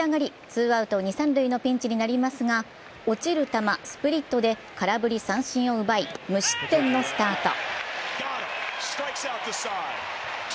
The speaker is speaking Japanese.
ツーアウト二・三塁のピンチになりますが落ちる球、スプリットで空振り三振を奪い無失点のスタート。